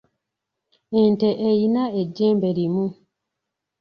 Ente eyina ejjembe limu.